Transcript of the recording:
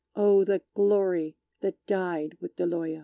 Oh, the glory that died with Deloya!